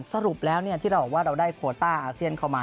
สรุปแล้วเราะเราได้โควเติร์ดอาเซียนเข้ามา